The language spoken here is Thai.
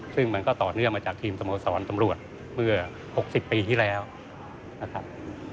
ซึ่งมันก็ต่อเนื่องมาจากทีมสโมสรตำรวจเมื่อ๖๐ปีที่แล้วนะครับ